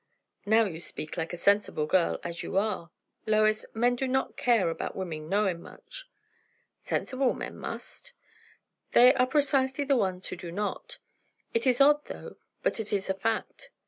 "Now you speak like a sensible girl, as you are. Lois, men do not care about women knowing much." "Sensible men must." "They are precisely the ones who do not. It is odd enough, but it is a fact.